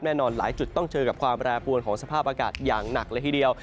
หลายจุดต้องเจอกับความแปรปวนของสภาพอากาศอย่างหนักเลยทีเดียว